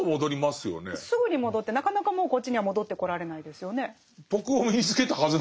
すぐに戻ってなかなかもうこっちには戻ってこられないですよね。